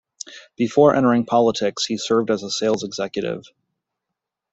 Before entering politics, he served as a sales executive.